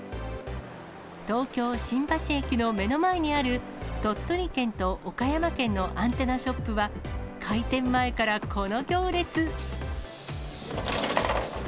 東京・新橋駅の目の前にある、鳥取県と岡山県のアンテナショップは、開店前からこの行列。